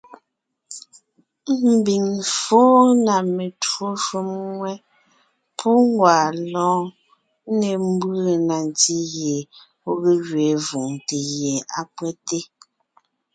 Ḿbiŋ fɔ́ɔn na metwó shúm ŋwɛ́, pú ńgwaa lɔ́ɔn, ńne ḿbʉe na ntí gie ɔ̀ ge gẅiin vòŋte gie á pÿɛ́te.